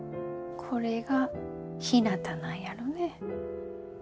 これがひなたなんやろね。